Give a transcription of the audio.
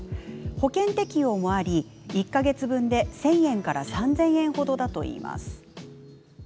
保険適用もあり、１か月分で１０００円から３０００円程といいます。